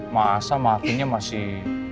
masa maafinnya masih